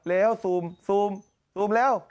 แล้วซูมซูมแล้ว